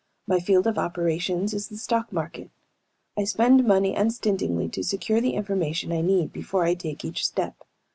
My field of operations is the stock market. I spend money unstintingly to secure the information I need before I take each step.